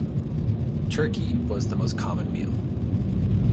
Turkey was the most common meal.